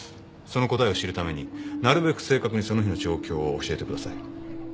その答えを知るためになるべく正確にその日の状況を教えてください。